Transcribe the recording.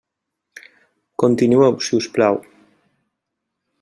Continueu, si us plau.